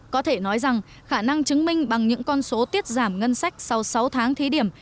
có thể nói rằng khả năng chứng minh bằng những con số tiết giảm ngân sách sau sáu tháng thí điểm